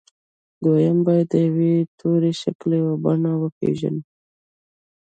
دويم بايد د يوه توري شکل او بڼه وپېژنو.